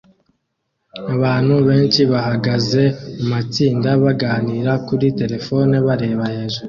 Abantu benshi bahagaze mumatsinda baganira kuri terefone bareba hejuru